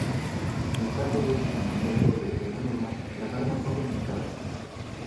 En caso de incumplimiento de esa norma, las armas son confiscadas.